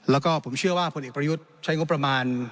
แล้วก็ผมเชื่อว่าพลเอกประยุทธ์ใช้งบประมาณ